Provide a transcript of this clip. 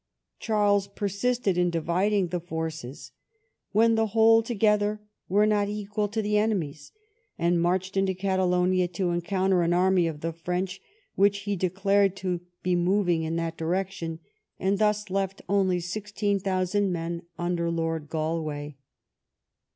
Charles persisted in dividing the force, " when the whole to gether was not equal to the enemy's," and marched into Catalonia to encounter an army of the French, which he declared to be moving in that direction, and thus left only about sixteen thousand men under Lord Galway.